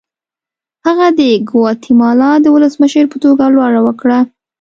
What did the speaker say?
هغه د ګواتیمالا د ولسمشر په توګه لوړه وکړه.